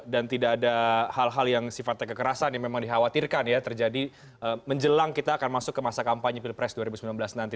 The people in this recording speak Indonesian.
dan tidak ada hal hal yang sifatnya kekerasan yang memang dikhawatirkan ya terjadi menjelang kita akan masuk ke masa kampanye pilpres dua ribu sembilan belas nanti